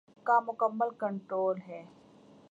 کا مکمل کنٹرول ہے۔